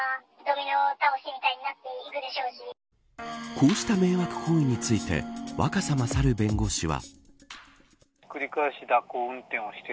こうした迷惑行為について若狭勝弁護士は。